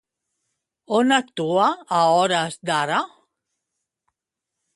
On actua a hores d'ara?